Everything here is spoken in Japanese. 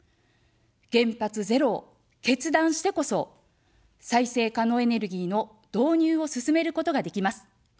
原発ゼロを決断してこそ、再生可能エネルギーの導入を進めることができます。